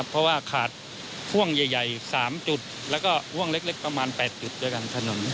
เพราะว่าขาดห่วงใหญ่๓จุดแล้วก็ห่วงเล็กประมาณ๘จุดด้วยกันถนน